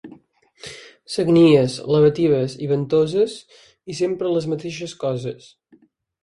Sagnies, lavatives i ventoses i sempre les mateixes coses.